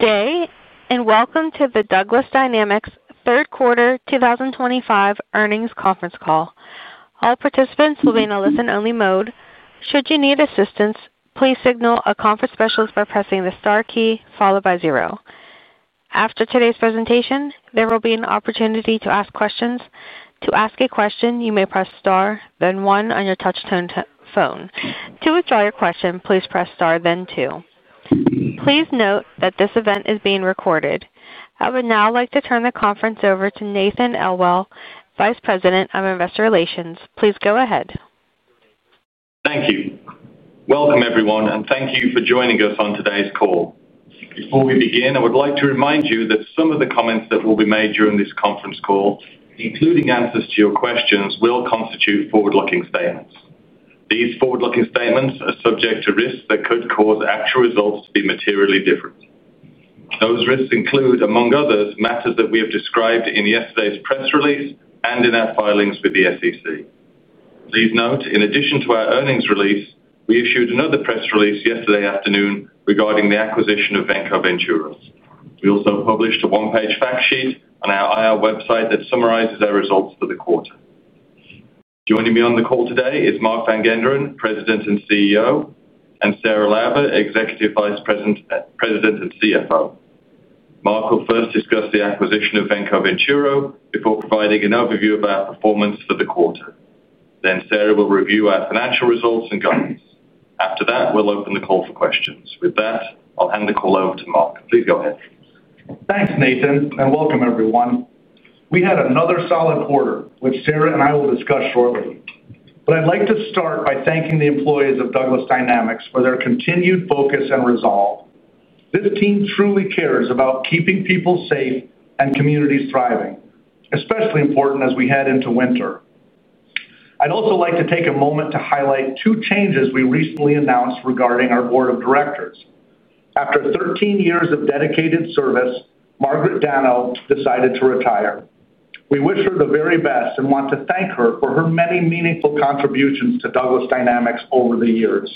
Today and welcome to the Douglas Dynamics Third Quarter 2025 Earnings Conference Call. All participants will be in a listen-only mode. Should you need assistance, please signal a conference specialist by pressing the star key followed by zero. After today's presentation, there will be an opportunity to ask questions. To ask a question, you may press star, then one on your touch-tone phone. To withdraw your question, please press star, then two. Please note that this event is being recorded. I would now like to turn the conference over to Nathan Elwell, Vice President of Investor Relations. Please go ahead. Thank you. Welcome, everyone, and thank you for joining us on today's call. Before we begin, I would like to remind you that some of the comments that will be made during this conference call, including answers to your questions, will constitute forward-looking statements. These forward-looking statements are subject to risks that could cause actual results to be materially different. Those risks include, among others, matters that we have described in yesterday's press release and in our filings with the SEC. Please note, in addition to our earnings release, we issued another press release yesterday afternoon regarding the acquisition of Venco Venturo. We also published a one-page fact sheet on our IR website that summarizes our results for the quarter. Joining me on the call today is Mark Van Genderen, President and CEO, and Sarah Lauber, Executive Vice President and CFO. Mark will first discuss the acquisition of Venco Venturo before providing an overview of our performance for the quarter. Then Sarah will review our financial results and guidance. After that, we'll open the call for questions. With that, I'll hand the call over to Mark. Please go ahead. Thanks, Nathan, and welcome, everyone. We had another solid quarter, which Sarah and I will discuss shortly. But I'd like to start by thanking the employees of Douglas Dynamics for their continued focus and resolve. This team truly cares about keeping people safe and communities thriving, especially important as we head into winter. I'd also like to take a moment to highlight two changes we recently announced regarding our board of directors. After 13 years of dedicated service, Margaret Dano decided to retire. We wish her the very best and want to thank her for her many meaningful contributions to Douglas Dynamics over the years.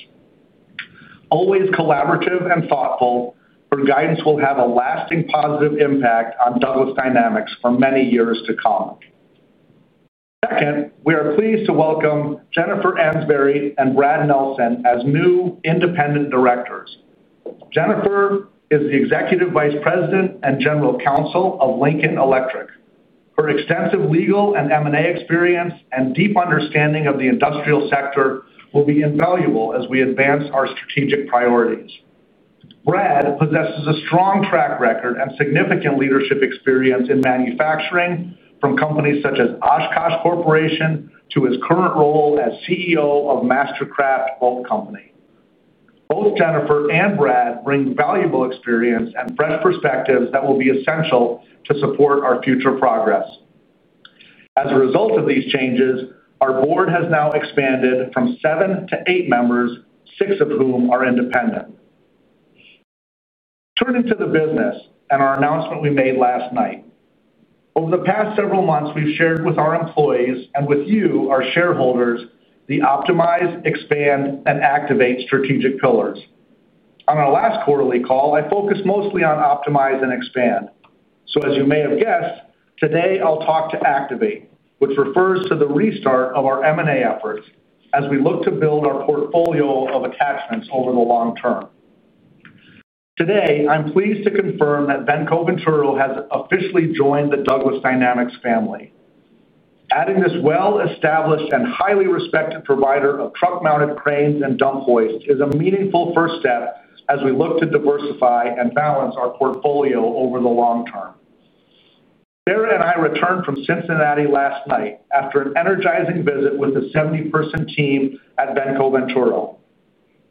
Always collaborative and thoughtful, her guidance will have a lasting positive impact on Douglas Dynamics for many years to come. Second, we are pleased to welcome Jennifer Ansberry and Brad Nelson as new independent directors. Jennifer is the Executive Vice President and General Counsel of Lincoln Electric. Her extensive legal and M&A experience and deep understanding of the industrial sector will be invaluable as we advance our strategic priorities. Brad possesses a strong track record and significant leadership experience in manufacturing from companies such as Oshkosh Corporation to his current role as CEO of Mastercraft Bulk Company. Both Jennifer and Brad bring valuable experience and fresh perspectives that will be essential to support our future progress. As a result of these changes, our board has now expanded from seven to eight members, six of whom are independent. Turning to the business and our announcement we made last night. Over the past several months, we've shared with our employees and with you, our shareholders, the optimize, expand, and activate strategic pillars. On our last quarterly call, I focused mostly on optimize and expand. So, as you may have guessed, today I'll talk to activate, which refers to the restart of our M&A efforts as we look to build our portfolio of Attachments over the long term. Today, I'm pleased to confirm that Venco Venturo has officially joined the Douglas Dynamics family. Adding this well-established and highly respected provider of truck-mounted cranes and dump hoists is a meaningful first step as we look to diversify and balance our portfolio over the long term. Sarah and I returned from Cincinnati last night after an energizing visit with the 70-person team at Venco Venturo.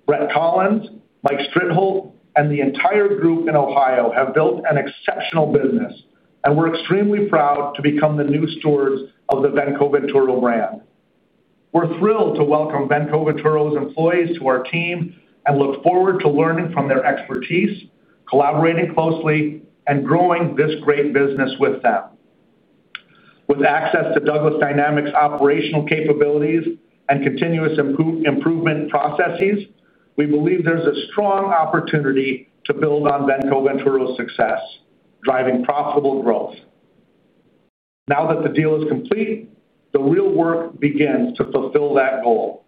Brett Collins, Mike Strittholt, and the entire group in Ohio have built an exceptional business, and we're extremely proud to become the new stewards of the Venco Venturo brand. We're thrilled to welcome Venco Venturo's employees to our team and look forward to learning from their expertise, collaborating closely, and growing this great business with them. With access to Douglas Dynamics' operational capabilities and continuous improvement processes, we believe there's a strong opportunity to build on Venco Venturo's success, driving profitable growth. Now that the deal is complete, the real work begins to fulfill that goal.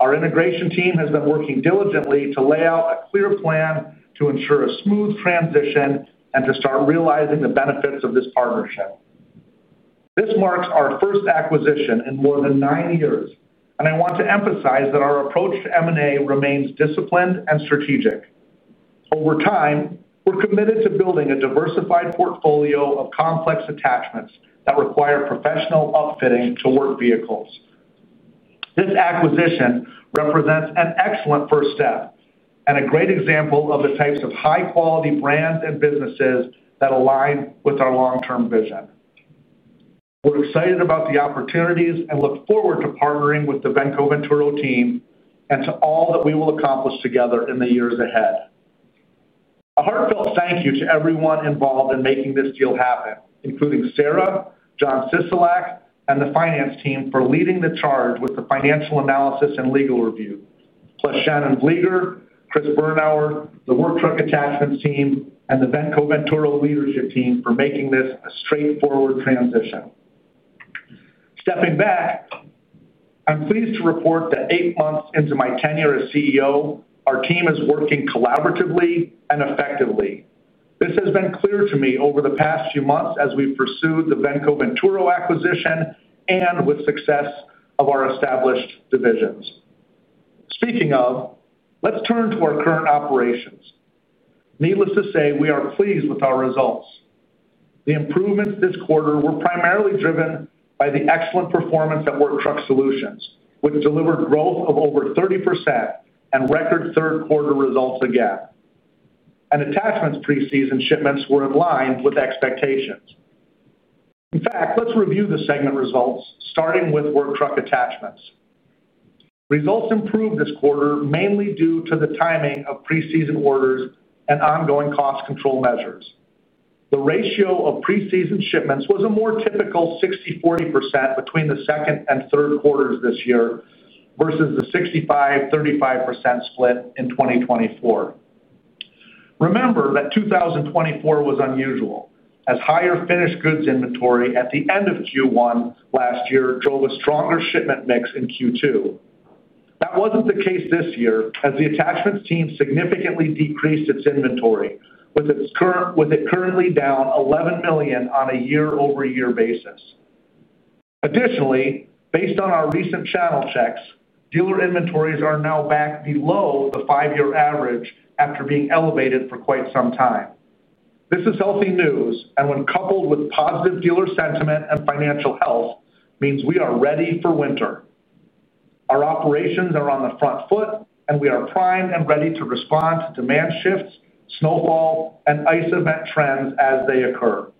Our integration team has been working diligently to lay out a clear plan to ensure a smooth transition and to start realizing the benefits of this partnership. This marks our first acquisition in more than nine years, and I want to emphasize that our approach to M&A remains disciplined and strategic. Over time, we're committed to building a diversified portfolio of complex attachments that require professional upfitting to work vehicles. This acquisition represents an excellent first step and a great example of the types of high-quality brands and businesses that align with our long-term vision. We're excited about the opportunities and look forward to partnering with the Venco Venturo team and to all that we will accomplish together in the years ahead. A heartfelt thank you to everyone involved in making this deal happen, including Sarah, John Sisolak, and the finance team for leading the charge with the financial analysis and legal review, plus Shannon Vlieger, Chris Bernauer, the Work Truck Attachments Team, and the Venco Venturo Leadership Team for making this a straightforward transition. Stepping back. I'm pleased to report that eight months into my tenure as CEO, our team is working collaboratively and effectively. This has been clear to me over the past few months as we've pursued the Venco Venturo acquisition and with success of our established divisions. Speaking of, let's turn to our current operations. Needless to say, we are pleased with our results. The improvements this quarter were primarily driven by the excellent performance at Work Truck Solutions, which delivered growth of over 30% and record third-quarter results again. And Attachments pre-season shipments were aligned with expectations. In fact, let's review the segment results, starting with Work Truck Attachments. Results improved this quarter mainly due to the timing of pre-season orders and ongoing cost control measures. The ratio of pre-season shipments was a more typical 60%-40% between the second and third quarters this year versus the 65%-35% split in 2024. Remember that 2024 was unusual, as higher finished goods inventory at the end of Q1 last year drove a stronger shipment mix in Q2. That wasn't the case this year, as the Attachments Team significantly decreased its inventory, with it currently down $11 million on a year-over-year basis. Additionally, based on our recent channel checks, dealer inventories are now back below the five-year average after being elevated for quite some time. This is healthy news, and when coupled with positive dealer sentiment and financial health, means we are ready for winter. Our operations are on the front foot, and we are primed and ready to respond to demand shifts, snowfall, and ice event trends as they occur.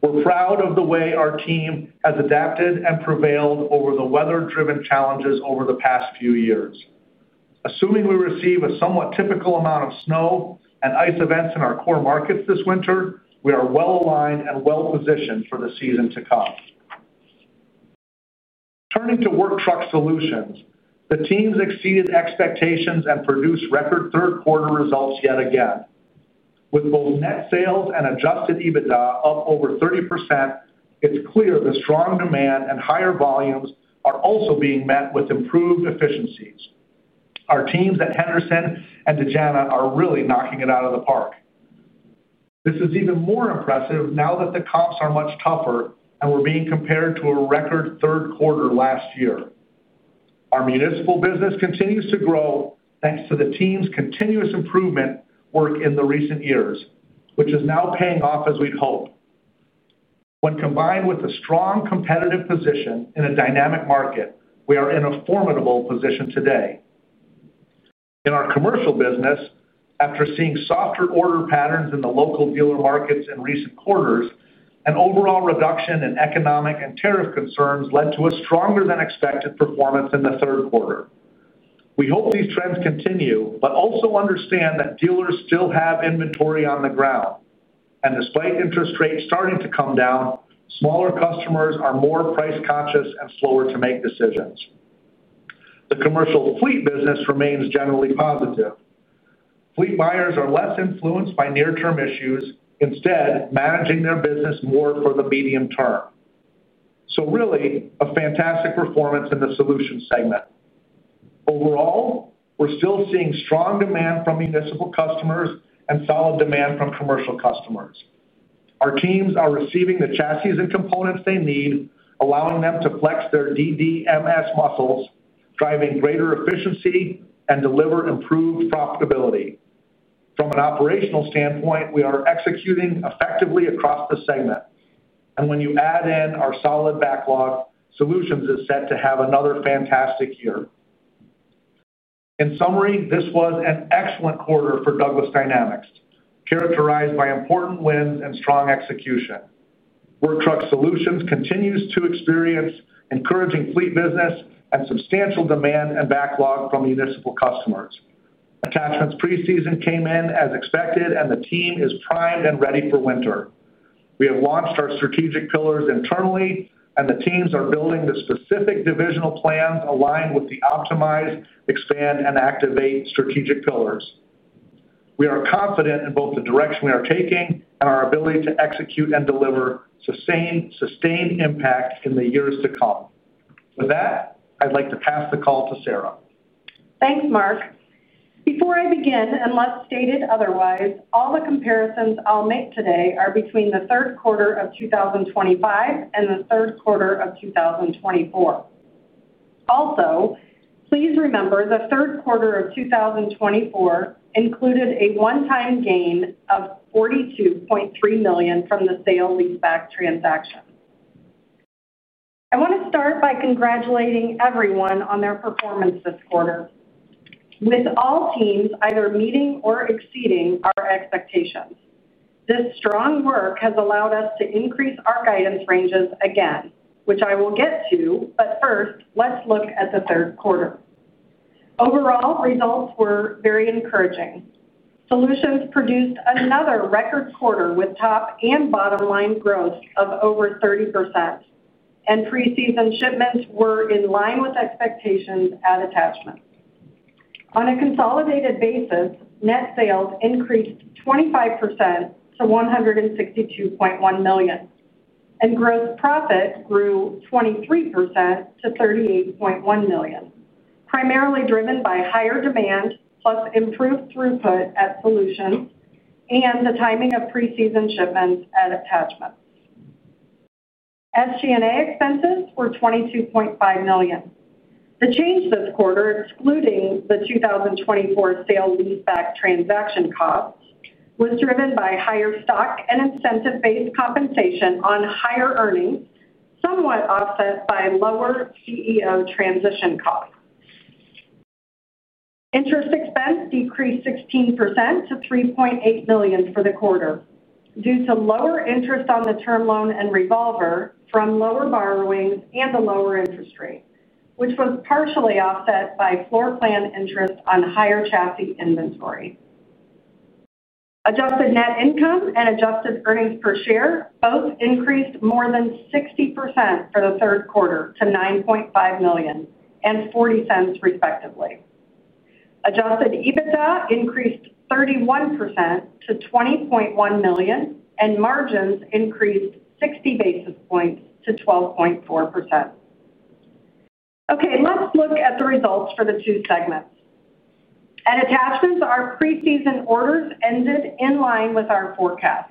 We're proud of the way our team has adapted and prevailed over the weather-driven challenges over the past few years. Assuming we receive a somewhat typical amount of snow and ice events in our core markets this winter, we are well-aligned and well-positioned for the season to come. Turning to Work Truck Solutions, the teams exceeded expectations and produced record third-quarter results yet again. With both net sales and adjusted EBITDA up over 30%. It's clear the strong demand and higher volumes are also being met with improved efficiencies. Our teams at Henderson and Dejana are really knocking it out of the park. This is even more impressive now that the comps are much tougher and we're being compared to a record third quarter last year. Our municipal business continues to grow thanks to the team's continuous improvement work in the recent years, which is now paying off as we'd hoped. When combined with a strong competitive position in a dynamic market, we are in a formidable position today. In our commercial business, after seeing softer order patterns in the local dealer markets in recent quarters, an overall reduction in economic and tariff concerns led to a stronger-than-expected performance in the third quarter. We hope these trends continue, but also understand that dealers still have inventory on the ground. And despite interest rates starting to come down, smaller customers are more price-conscious and slower to make decisions. The commercial fleet business remains generally positive. Fleet buyers are less influenced by near-term issues, instead managing their business more for the medium term. So really, a fantastic performance in the solution segment. Overall, we're still seeing strong demand from municipal customers and solid demand from commercial customers. Our teams are receiving the chassis and components they need, allowing them to flex their DDMS muscles, driving greater efficiency and deliver improved profitability. From an operational standpoint, we are executing effectively across the segment. And when you add in our solid backlog, solutions is set to have another fantastic year. In summary, this was an excellent quarter for Douglas Dynamics, characterized by important wins and strong execution. Work Truck Solutions continues to experience encouraging fleet business and substantial demand and backlog from municipal customers. Attachments pre-season came in as expected, and the team is primed and ready for winter. We have launched our strategic pillars internally, and the teams are building the specific divisional plans aligned with the optimize, expand, and activate strategic pillars. We are confident in both the direction we are taking and our ability to execute and deliver sustained impact in the years to come. With that, I'd like to pass the call to Sarah. Thanks, Mark. Before I begin, unless stated otherwise, all the comparisons I'll make today are between the third quarter of 2025 and the third quarter of 2024. Also, please remember the third quarter of 2024 included a one-time gain of $42.3 million from the sale leaseback transaction. I want to start by congratulating everyone on their performance this quarter. With all teams either meeting or exceeding our expectations, this strong work has allowed us to increase our guidance ranges again, which I will get to, but first, let's look at the third quarter. Overall, results were very encouraging. Solutions produced another record quarter with top and bottom-line growth of over 30%, and pre-season shipments were in line with expectations at Attachments. On a consolidated basis, net sales increased 25% to $162.1 million, and gross profit grew 23% to $38.1 million, primarily driven by higher demand, plus improved throughput at solutions and the timing of pre-season shipments at Attachments. SG&A expenses were $22.5 million. The change this quarter, excluding the 2024 sale leaseback transaction costs, was driven by higher stock and incentive-based compensation on higher earnings, somewhat offset by lower CEO transition costs. Interest expense decreased 16% to $3.8 million for the quarter due to lower interest on the term loan and revolver from lower borrowings and a lower interest rate, which was partially offset by floor plan interest on higher chassis inventory. Adjusted net income and adjusted earnings per share both increased more than 60% for the third quarter to $9.5 million and $0.40, respectively. Adjusted EBITDA increased 31% to $20.1 million, and margins increased 60 basis points to 12.4%. Okay, let's look at the results for the two segments. At Attachments, our pre-season orders ended in line with our forecast.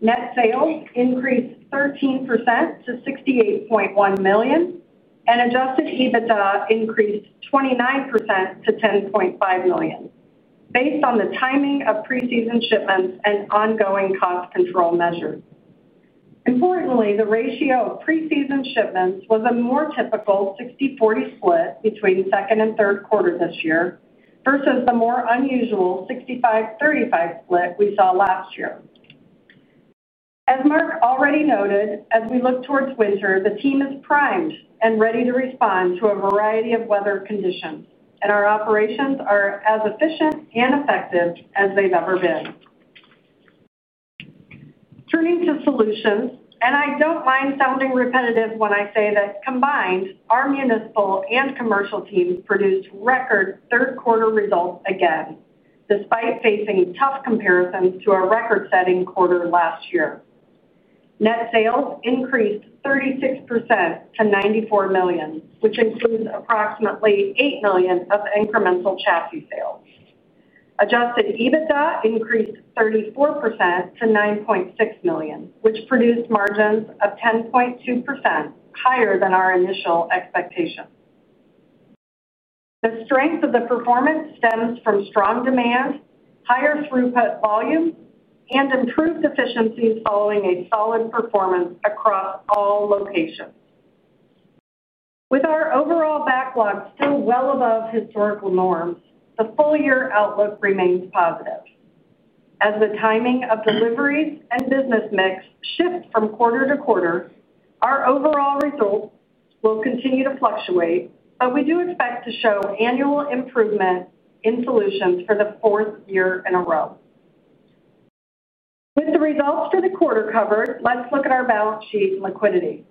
Net sales increased 13% to $68.1 million, and adjusted EBITDA increased 29% to $10.5 million, based on the timing of pre-season shipments and ongoing cost control measures. Importantly, the ratio of pre-season shipments was a more typical 60/40 split between second and third quarter this year versus the more unusual 65/35 split we saw last year. As Mark already noted, as we look towards winter, the team is primed and ready to respond to a variety of weather conditions, and our operations are as efficient and effective as they've ever been. Turning to Solutions, and I don't mind sounding repetitive when I say that combined, our municipal and commercial teams produced record third-quarter results again, despite facing tough comparisons to a record-setting quarter last year. Net sales increased 36% to $94 million, which includes approximately $8 million of incremental chassis sales. Adjusted EBITDA increased 34% to $9.6 million, which produced margins of 10.2% higher than our initial expectations. The strength of the performance stems from strong demand, higher throughput volumes, and improved efficiencies following a solid performance across all locations. With our overall backlog still well above historical norms, the full-year outlook remains positive. As the timing of deliveries and business mix shifts from quarter to quarter, our overall results will continue to fluctuate, but we do expect to show annual improvement in solutions for the fourth year in a row. With the results for the quarter covered, let's look at our balance sheet and liquidity.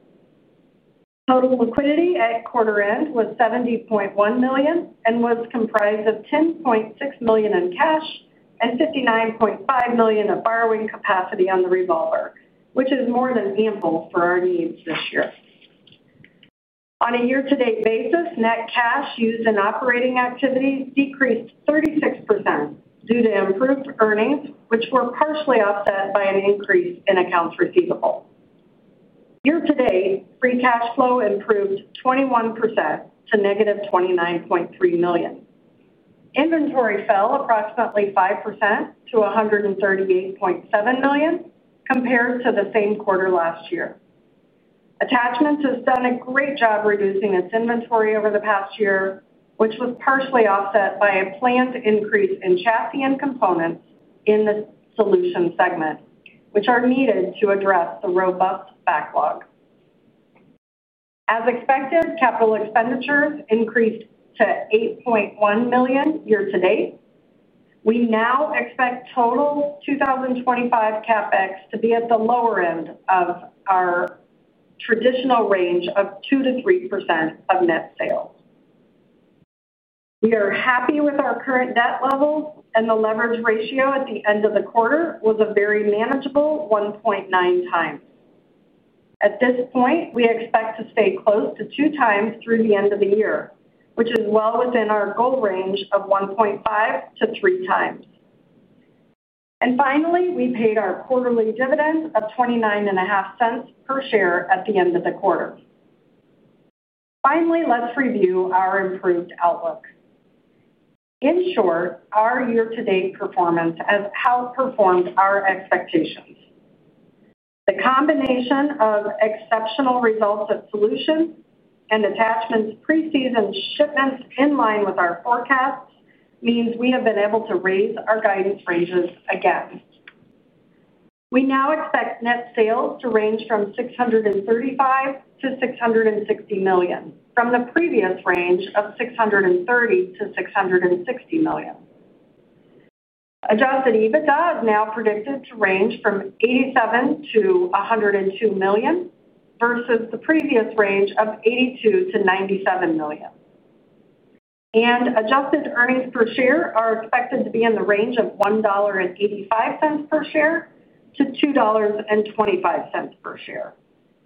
Total liquidity at quarter-end was $70.1 million and was comprised of $10.6 million in cash and $59.5 million of borrowing capacity on the revolver, which is more than ample for our needs this year. On a year-to-date basis, net cash used in operating activity decreased 36% due to improved earnings, which were partially offset by an increase in accounts receivable. Year-to-date, free cash flow improved 21% to -$29.3 million. Inventory fell approximately 5% to $138.7 million compared to the same quarter last year. Attachments has done a great job reducing its inventory over the past year, which was partially offset by a planned increase in chassis and components in the Solution segment, which are needed to address the robust backlog. As expected, capital expenditures increased to $8.1 million year-to-date. We now expect total 2025 CapEx to be at the lower end of our traditional range of 2%-3% of net sales. We are happy with our current debt level, and the leverage ratio at the end of the quarter was a very manageable 1.9x. At this point, we expect to stay close to 2x through the end of the year, which is well within our goal range of 1.5x-3x. And finally, we paid our quarterly dividend of $0.295 per share at the end of the quarter. Finally, let's review our improved outlook. In short, our year-to-date performance has outperformed our expectations. The combination of exceptional results at Solutions and Attachment's pre-season shipments in line with our forecasts means we have been able to raise our guidance ranges again. We now expect net sales to range from $635 million-$660 million, from the previous range of $630 million-$660 million. Adjusted EBITDA is now predicted to range from $87 million-$102 million versus the previous range of $82 million-$97 million. And adjusted earnings per share are expected to be in the range of $1.85-$2.25 per share,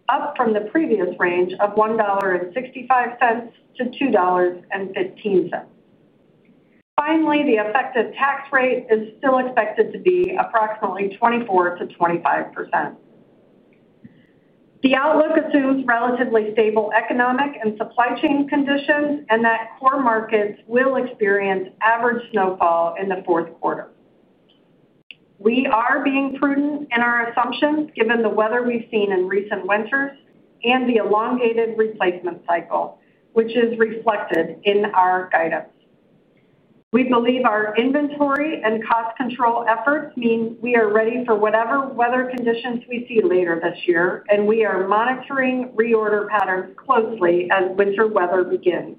up from the previous range of $1.65-$2.15. Finally, the effective tax rate is still expected to be approximately 24%-25%. The outlook assumes relatively stable economic and supply chain conditions and that core markets will experience average snowfall in the fourth quarter. We are being prudent in our assumptions given the weather we've seen in recent winters and the elongated replacement cycle, which is reflected in our guidance. We believe our inventory and cost control efforts mean we are ready for whatever weather conditions we see later this year, and we are monitoring reorder patterns closely as winter weather begins.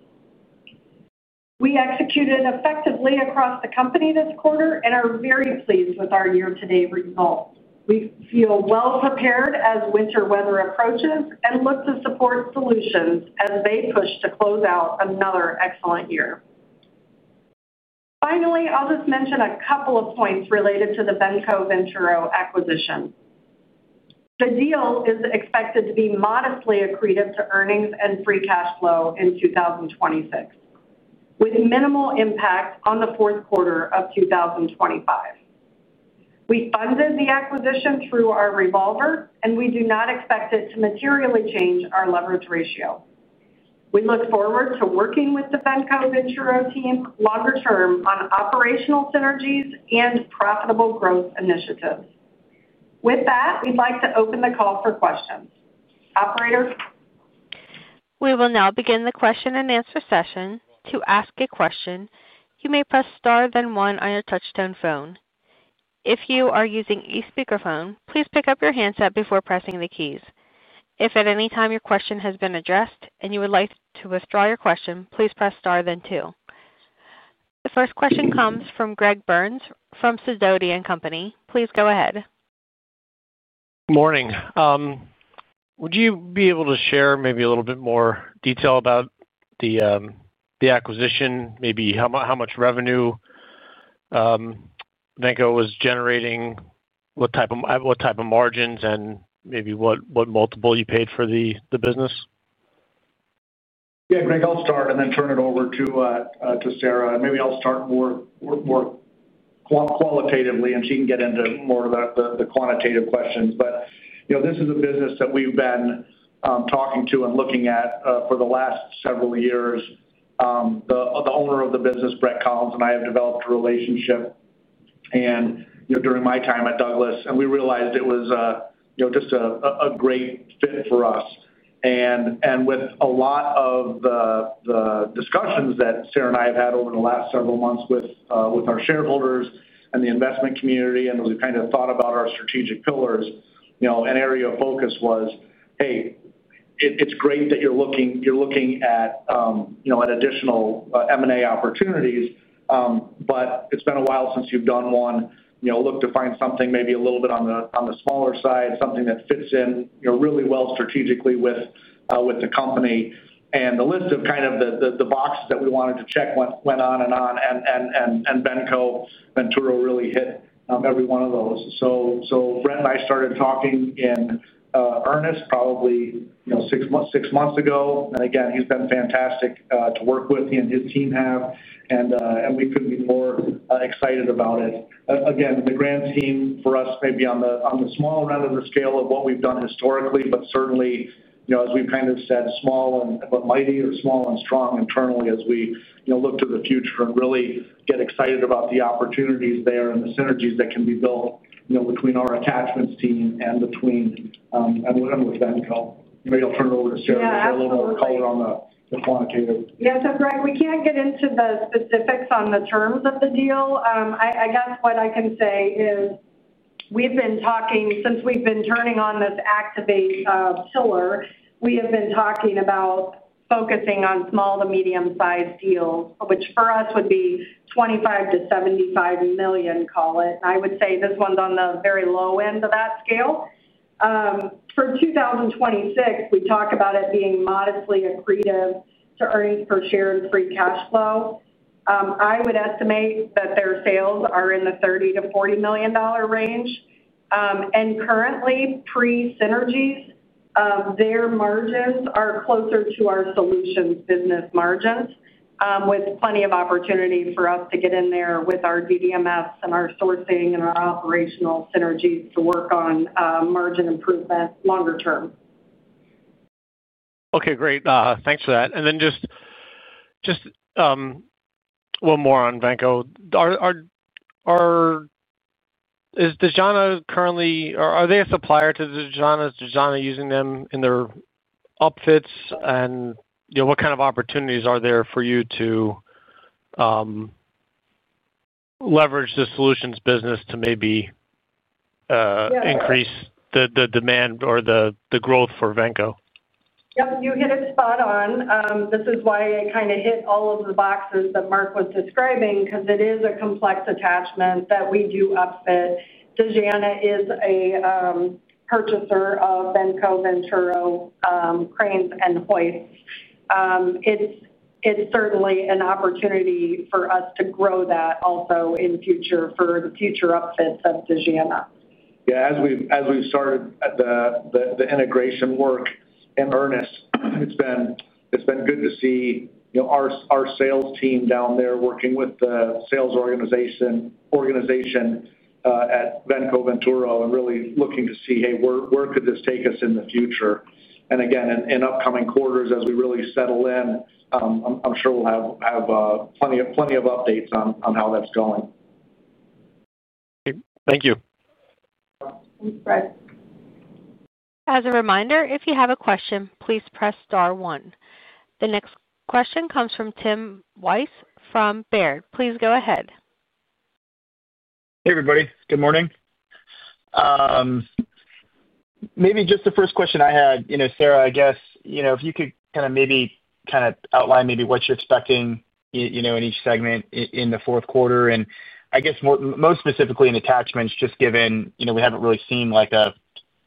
We executed effectively across the company this quarter and are very pleased with our year-to-date results. We feel well-prepared as winter weather approaches and look to support solutions as they push to close out another excellent year. Finally, I'll just mention a couple of points related to the Venco Venturo acquisition. The deal is expected to be modestly accretive to earnings and free cash flow in 2026, with minimal impact on the fourth quarter of 2025. We funded the acquisition through our revolver, and we do not expect it to materially change our leverage ratio. We look forward to working with the Venco Venturo team longer term on operational synergies and profitable growth initiatives. With that, we'd like to open the call for questions. Operator. We will now begin the question and answer session. To ask a question, you may press star then one on your touch-tone phone. If you are using a speakerphone, please pick up your handset before pressing the keys. If at any time your question has been addressed and you would like to withdraw your question, please press star then two. The first question comes from Greg Burns from Sidoti & Company. Please go ahead. Morning. Would you be able to share maybe a little bit more detail about the acquisition, maybe how much revenue Venco was generating, what type of margins, and maybe what multiple you paid for the business? Yeah, Greg, I'll start and then turn it over to Sarah. And maybe I'll start more qualitatively, and she can get into more of the quantitative questions. But this is a business that we've been talking to and looking at for the last several years. The owner of the business, Brett Collins, and I have developed a relationship during my time at Douglas, and we realized it was just a great fit for us. And with a lot of the discussions that Sarah and I have had over the last several months with our shareholders and the investment community and as we've kind of thought about our strategic pillars, an area of focus was, "Hey, it's great that you're looking at additional M&A opportunities, but it's been a while since you've done one. Look to find something maybe a little bit on the smaller side, something that fits in really well strategically with the company." And the list of kind of the boxes that we wanted to check went on and on, and Venco Venturo really hit every one of those. So Brett and I started talking in earnest probably six months ago. Again, he's been fantastic to work with, he and his team have, and we couldn't be more excited about it. Again, this acquisition for us may be on the small end of the scale of what we've done historically, but certainly, as we've kind of said, small and mighty or small and strong internally as we look to the future and really get excited about the opportunities there and the synergies that can be built between our attachments team and between Venco. Maybe I'll turn it over to Sarah for a little more color on the quantitative. Yeah, so Greg, we can't get into the specifics on the terms of the deal. I guess what I can say is. We've been talking since we've been turning on this activate pillar, we have been talking about focusing on small to medium-sized deals, which for us would be $25 million-$75 million, call it. And I would say this one's on the very low end of that scale. For 2026, we talk about it being modestly accretive to earnings per share and free cash flow. I would estimate that their sales are in the $30 million-$40 million range. And currently, pre-synergies, their margins are closer to our solutions business margins, with plenty of opportunity for us to get in there with our DDMS and our sourcing and our operational synergies to work on margin improvement longer term. Okay, great. Thanks for that. And then just one more on Venco. Does Dejana currently or are they a supplier to Dejana? Is Dejana using them in their upfits? And what kind of opportunities are there for you to leverage the solutions business to maybe increase the demand or the growth for Venco? Yep, you hit it spot on. This is why I kind of hit all of the boxes that Mark was describing because it is a complex attachment that we do upfit. Dejana is a purchaser of Venco Venturo cranes and hoists. It's certainly an opportunity for us to grow that also in future for the future upfits of Dejana. Yeah, as we've started the integration work in earnest, it's been good to see our sales team down there working with the sales organization at Venco Venturo and really looking to see, "Hey, where could this take us in the future?", and again, in upcoming quarters, as we really settle in, I'm sure we'll have plenty of updates on how that's going. Okay, thank you. Thanks, Greg. As a reminder, if you have a question, please press star one. The next question comes from Tim Wojs from Baird. Please go ahead. Hey, everybody. Good morning. Maybe just the first question I had, Sarah, I guess if you could kind of maybe kind of outline maybe what you're expecting in each segment in the fourth quarter. And I guess most specifically in Attachments, just given we haven't really seen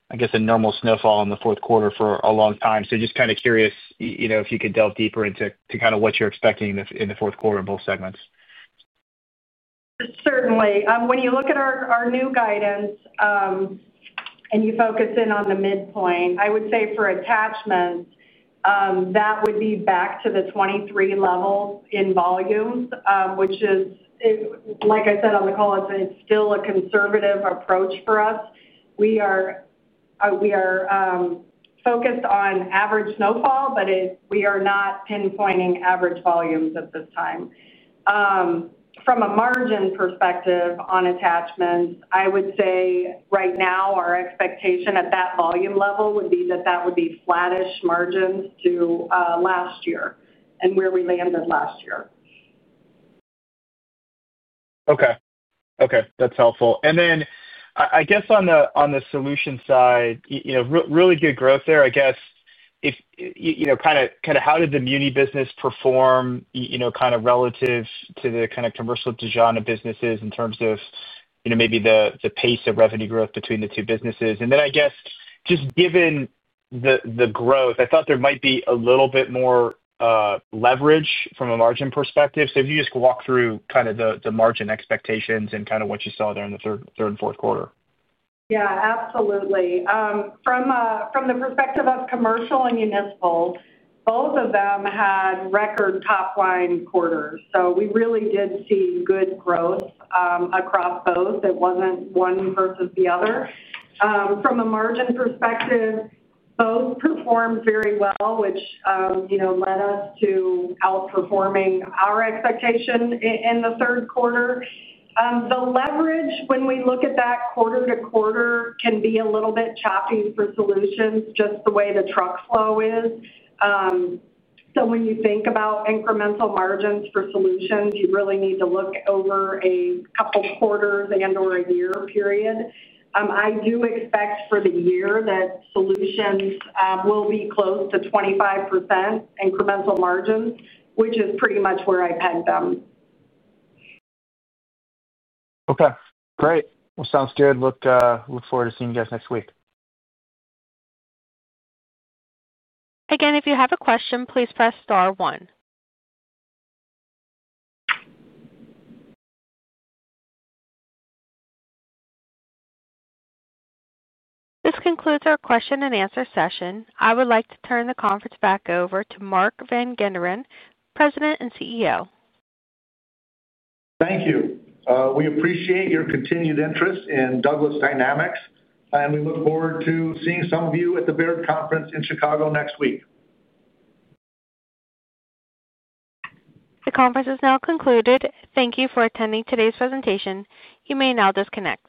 a normal snowfall in the fourth quarter for a long time. So just kind of curious if you could delve deeper into kind of what you're expecting in the fourth quarter in both segments? Certainly. When you look at our new guidance and you focus in on the midpoint, I would say for Attachments, that would be back to the 23 level in volumes, which is, like I said on the call, it's still a conservative approach for us. We are focused on average snowfall, but we are not pinpointing average volumes at this time. From a margin perspective on Attachments, I would say right now our expectation at that volume level would be that that would be flattish margins to last year and where we landed last year. Okay. That's helpful. And then I guess on the solution side, really good growth there. I guess kind of how did the muni business perform kind of relative to the kind of commercial Dejana businesses in terms of maybe the pace of revenue growth between the two businesses? And then I guess just given the growth, I thought there might be a little bit more leverage from a margin perspective. So if you just walk through kind of the margin expectations and kind of what you saw there in the third and fourth quarter. Yeah, absolutely. From the perspective of commercial and municipal, both of them had record top-line quarters. So we really did see good growth across both. It wasn't one versus the other. From a margin perspective, both performed very well, which led us to outperforming our expectation in the third quarter. The leverage, when we look at that quarter to quarter, can be a little bit choppy for Solutions just the way the truck flow is. So when you think about incremental margins for Solutions, you really need to look over a couple of quarters and/or a year period. I do expect for the year that Solutions will be close to 25% incremental margins, which is pretty much where I peg them. Okay. Great. Well, sounds good. Look forward to seeing you guys next week. Again, if you have a question, please press star one. This concludes our question-and-answer session. I would like to turn the conference back over to Mark Van Genderen, President and CEO. Thank you. We appreciate your continued interest in Douglas Dynamics, and we look forward to seeing some of you at the Baird Conference in Chicago next week. The conference is now concluded. Thank you for attending today's presentation. You may now disconnect.